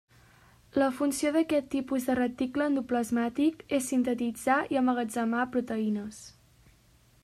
La funció d'aquest tipus de reticle endoplasmàtic és sintetitzar i emmagatzemar proteïnes.